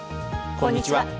こんにちは。